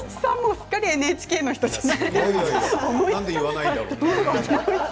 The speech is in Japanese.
すっかりＮＨＫの人ですよね。